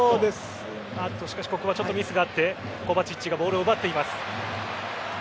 しかし、ここはミスがあってコヴァチッチがボールを奪っています。